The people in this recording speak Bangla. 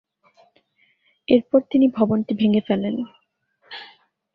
এরপর তিনি ভবনটি ভেঙে ফেলেন।